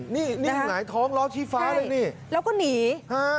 นี่นี่หายท้องล็อกที่ฟ้าด้วยนี่ใช่แล้วก็หนีฮะ